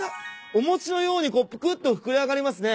お餅のようにぷくっと膨れ上がりますね。